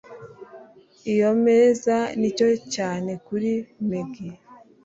iyo meza ni nto cyane kuri meg